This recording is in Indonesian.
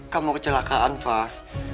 kamu kecelakaan fah